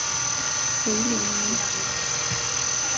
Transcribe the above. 韦里尼。